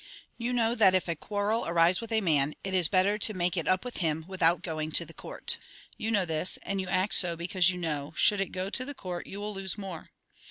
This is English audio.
" You know that if a quarrel arise with a man, it is better to make it up with him without going to the court. You know this, and you act so because you know, should it go to the court, you will lose more.